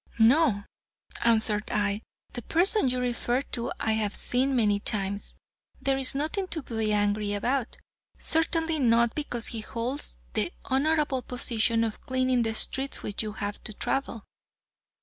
"No," answered I, "the person you refer to I have seen many times. There is nothing to be angry about. Certainly, not because he holds the honorable position of cleaning the streets which you have to travel."